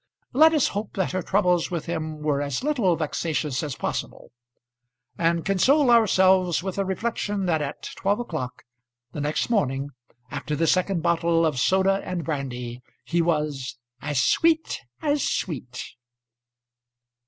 Let us hope that her troubles with him were as little vexatious as possible; and console ourselves with the reflection that at twelve o'clock the next morning, after the second bottle of soda and brandy, he was "as sweet as sweet."